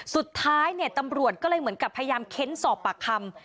สุดท้ายเนี่ยตำรวจก็เลยเหมือนกับพยายามเค้นสอบปากคำ